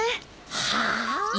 はあ？